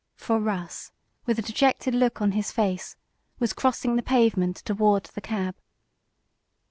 For Russ, with a dejected look on his face, was crossing the pavement toward the cab.